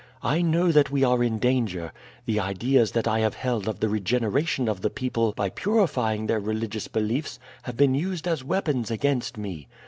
I know that we are in danger. The ideas that I have held of the regeneration of the people by purifying their religious beliefs have been used as weapons against me.